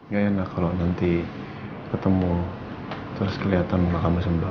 gak enak kalo nanti ketemu terus keliatan mama kamu sembah